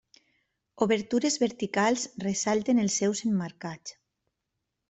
Obertures verticals ressalten els seus emmarcats.